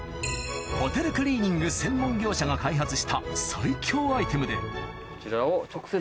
ホテルクリーニング専門業者が開発した最強アイテムでこちらを。